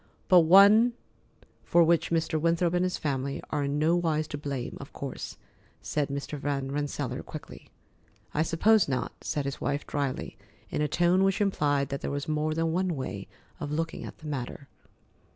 "But one for which Mr. Winthrop and his family are in no wise to blame, of course," said Mr. Van Rensselaer quickly. "I suppose not," said his wife dryly, in a tone which implied that there was more than one way of looking at the matter.